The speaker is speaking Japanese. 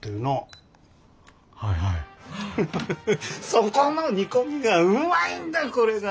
そこの煮込みがうまいんだこれが！